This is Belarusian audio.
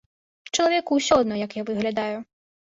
Чалавеку ўсё адно, як я выглядаю.